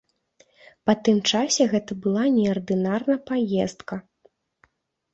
Па тым часе гэта была неардынарна паездка.